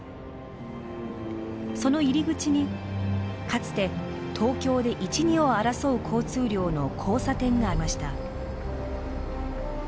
その入り口にかつて東京で一二を争う交通量の交差点がありました。